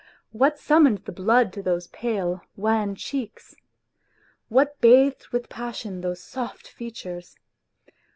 What summoned the blood to those pale, wan cheeks ? What WHITE NIGHTS 5 bathed with passion those soft features